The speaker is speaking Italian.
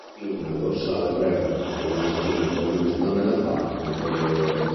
Pinna dorsale breve con una spina robusta nella parte anteriore.